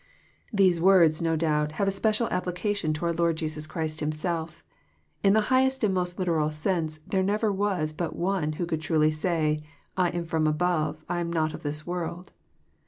These words, no doubt, have a special application to our Liord Jesus Christ Himself. In the highest and most literal sense, there never was but One who could truly say, '' I am from above, — I am not of this world."